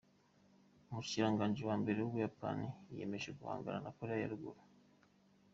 Umushikiranganji wa mbere w'Ubuyapani yiyemeje guhangana na Korea ya ruguru.